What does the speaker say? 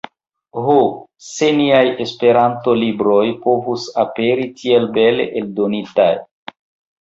Ho, se niaj Esperanto-libroj povus aperi tiel bele eldonitaj!